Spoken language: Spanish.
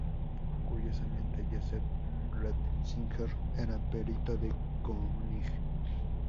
Curiosamente Joseph Ratzinger era perito de König.